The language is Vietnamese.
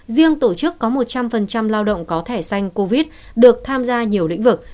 riêng tổ chức có một trăm linh lao động có thẻ xanh covid được tham gia nhiều lĩnh vực